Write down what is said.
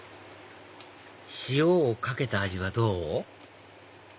塩をかけた味はどう？